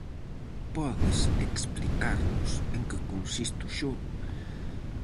Podes explicarnos en que consiste o xogo?